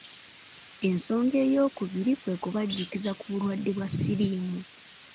Ensonga eyokubiri kwe kubajjukiza ku bulwadde bwa siriimu.